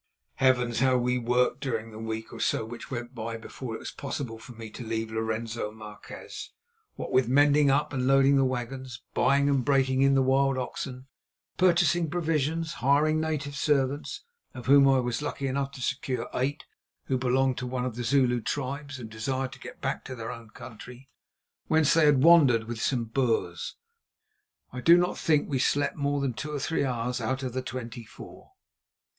Heavens! how we worked during the week or so which went by before it was possible for me to leave Lorenzo Marquez. What with mending up and loading the wagons, buying and breaking in the wild oxen, purchasing provisions, hiring native servants—of whom I was lucky enough to secure eight who belonged to one of the Zulu tribes and desired to get back to their own country, whence they had wandered with some Boers, I do not think that we slept more than two or three hours out of the twenty four.